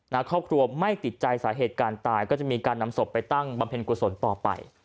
ครอบครัวไม่ติดใจสาเหตุการณ์ตายก็จะมีการนำศพไปตั้งบำเพ็ญกุศลต่อไป